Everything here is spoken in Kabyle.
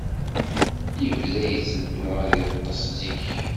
Yebda yetteddu ad yeḍḍes zik.